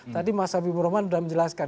tadi mas sabi buroman sudah menjelaskan